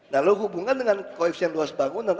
nah lo hubungkan dengan koefisien luas bangunan